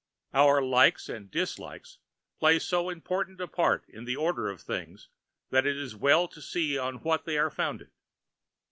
Our likes and dislikes play so important a part in the order of things that it is well to see on what they are founded.